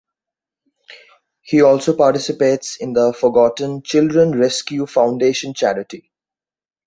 He also participates in the Forgotten Children Rescue Foundation charity.